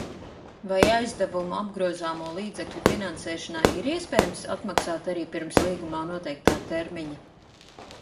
Vai aizdevumu apgrozāmo līdzekļu finansēšanai ir iespējams atmaksāt arī pirms līgumā noteiktā termiņa?